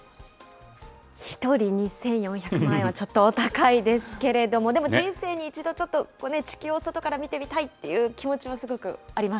１人２４００万円はちょっとお高いですけれども、でも人生に一度、ちょっと地球を外から見てみたいっていう気持ちもすごくあります。